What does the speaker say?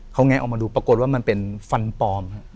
เขาแงะออกมาดูปรากฏว่ามันเป็นฟันปลอมครับ